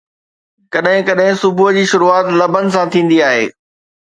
ڪڏهن ڪڏهن صبح جي شروعات لبن سان ٿيندي آهي